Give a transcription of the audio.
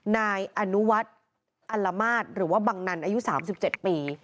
นายอนุวัฒน์อัลมาตรหรือว่าบังนันอายุ๓๗ปี